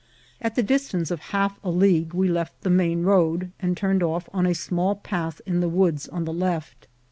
At the distance of half a league we left the main road, and turned off on a small path in the woods on the left.